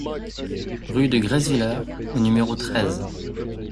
Rue de Gresswiller au numéro treize